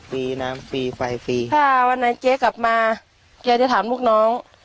ฟรีน้ำฟรีไฟฟรีถ้าวันนั้นเจ๊กลับมาแกจะถามลูกน้อง